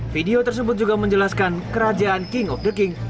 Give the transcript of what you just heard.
video tersebut juga menjelaskan kerajaan king of the king